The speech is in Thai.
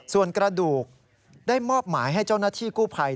ส่วนกระดูกได้มอบหมายให้เจ้าหน้าที่กู้ภัย